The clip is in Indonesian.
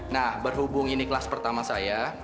nah berhubung ini kelas pertama saya